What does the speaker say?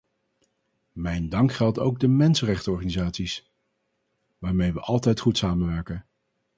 Mijn dank geldt ook de mensenrechtenorganisaties, waarmee we altijd goed samenwerken.